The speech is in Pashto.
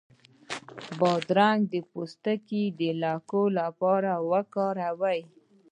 د بادرنګ پوستکی د لکو لپاره وکاروئ